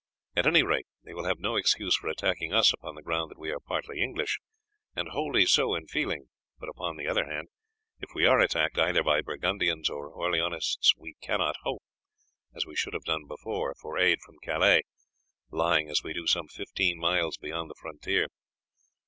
At any rate they will have no excuse for attacking us upon the ground that we are partly English, and wholly so in feeling; but upon the other hand, if we are attacked either by Burgundians or Orleanists, we cannot hope, as we should have done before, for aid from Calais, lying as we do some fifteen miles beyond the frontier.